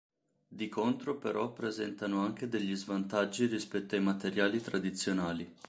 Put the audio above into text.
Di contro però presentano anche degli svantaggi rispetto ai materiali tradizionali.